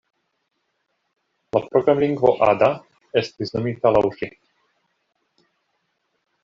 La programlingvo Ada estis nomita laŭ ŝi.